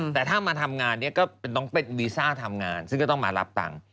แต่ถ้ามาทำงานเนี่ยก็ต้องเป็นวีซ่าทำงานซึ่งก็ต้องมารับตังค์